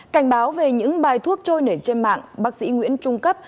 cảnh báo về những bài thuốc trôi nể trên mạng bác sĩ nguyễn trung cấp